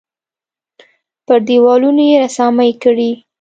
پر دېوالونو یې رسامۍ کړي.